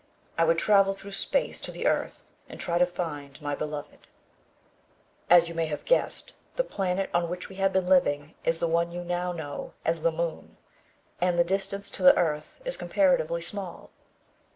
I would travel through space to the earth and try to find my beloved. As you may have guessed, the planet on which we had been living is the one you now know as the Moon, and the distance to the earth is comparatively small.